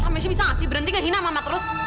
masha bisa gak sih berhenti ngehina mama terus